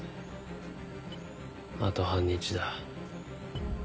あと半日だ。